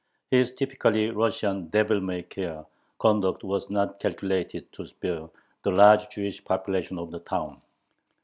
His typically Russian devil may care conduct was not calculated to spare the large Jewish population of the town.